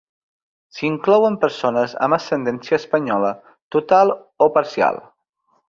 S'hi inclouen persones amb ascendència espanyola total o parcial.